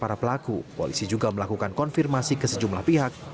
para pelaku polisi juga melakukan konfirmasi ke sejumlah pihak